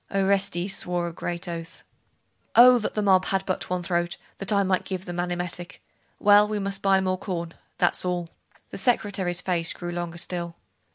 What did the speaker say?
Orestes swore a great oath. 'Oh, that the mob had but one throat, that I might give them an emetic! Well, we must buy more corn, that's all.' The secretary's face grew longer still.